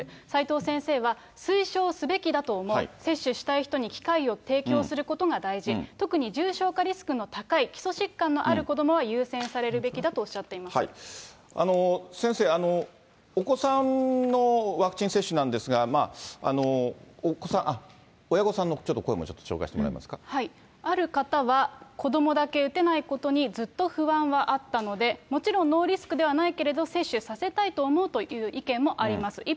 齋藤先生は、推奨すべきだと思う、接種したい人に機会を提供することが大事、特に重症化リスクの高い基礎疾患のある子どもは優先されるべきだ先生、お子さんのワクチン接種なんですが、親御さんの声もちょっと紹介ある方は、子どもだけ打てないことにずっと不安はあったので、もちろんノーリスクではないけれども、接種させたいと思うという意見もあります。